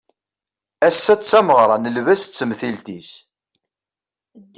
Ass-a d tameɣra n lbaz d temtilt-is